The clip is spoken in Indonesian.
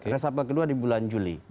riset hafal kedua di bulan juli